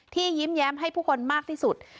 ยิ้มแย้มให้ผู้คนมากที่สุด